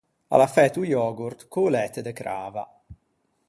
A l’à fæto o yogurt co-o læte de crava.